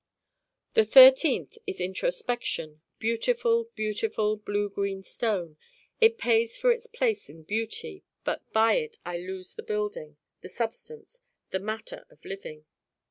the thirteenth is Introspection, beautiful beautiful blue green stone it pays for its place in beauty but by it I lose the building, the substance, the matter of living.